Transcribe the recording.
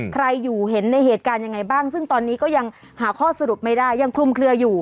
ใครอยู่เห็นในเหตุการณ์ยังไงบ้างซึ่งตอนนี้ก็ยังหาข้อสรุปไม่ได้ยังคลุมเคลืออยู่